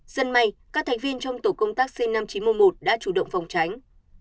dân may các thành viên trong tổ công tác c năm nghìn chín trăm một mươi một đã chủ động phòng tránh